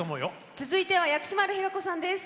続いては薬師丸ひろ子さんです。